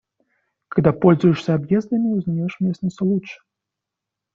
Когда пользуешься объездами, узнаёшь местность лучше.